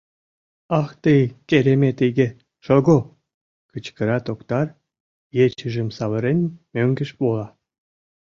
— Ах тый, керемет иге, шого! — кычкыра Токтар, ечыжым савырен, мӧҥгеш вола.